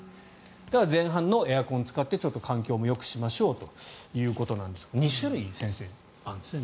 だから、前半のエアコンを使って環境もよくしましょうということなんですが２種類あるんですね